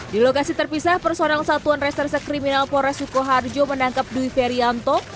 di lokasi terpisah personel satuan reserse kriminal pores sukoharjo menangkap dwi ferianto